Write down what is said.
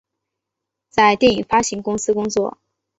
在电影发行公司工作。